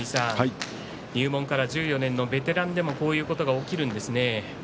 入門から１４年のベテランでもこういうことが起きるんですね。